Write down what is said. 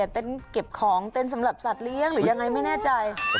เต้นเก็บของเต้นสำหรับสัตว์เลี้ยงหรือยังไงไม่แน่ใจ